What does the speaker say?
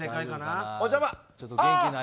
お邪魔。